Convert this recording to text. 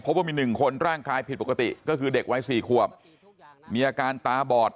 ว่ามี๑คนร่างกายผิดปกติก็คือเด็กวัย๔ขวบมีอาการตาบอด